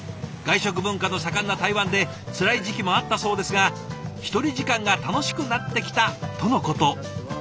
外食文化の盛んな台湾でつらい時期もあったそうですが１人時間が楽しくなってきたとのこと。